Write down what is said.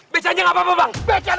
becah aja gapapa bang